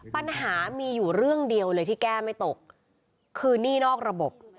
ปัญหามีอยู่เรื่องเดียวเลยที่แก้ไม่ตกคือหนี้นอกระบบ